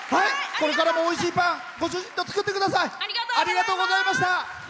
これからもおいしいパンご主人と作ってください。